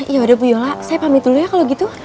yaudah bu yola saya pamit dulu ya kalau gitu